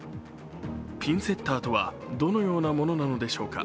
ピンセッターとはどのようなものなのでしょうか。